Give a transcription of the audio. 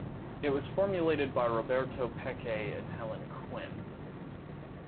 It was formulated by Roberto Peccei and Helen Quinn.